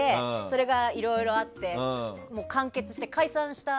それが、いろいろあって完結して解散した。